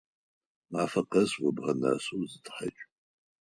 Мафэ къэс убгы нэсэу зытхьакӏ!